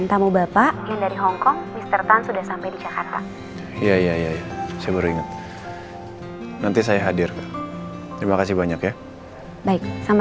sampai jumpa di video selanjutnya